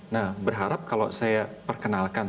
nah berharap kalau saya perkenalkan